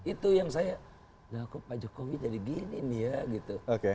itu yang saya nah kok pak jokowi jadi gini nih ya gitu